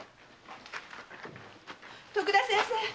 徳田先生。